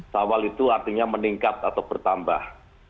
sawal itu artinya meningkat atau bertambah